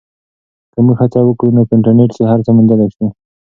که موږ هڅه وکړو نو په انټرنیټ کې هر څه موندلی سو.